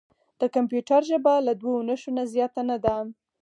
د کمپیوټر ژبه له دوه نښو نه زیاته نه ده.